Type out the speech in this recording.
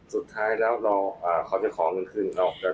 สุดท้ายแล้วเราจะขอเงินคืนของเขา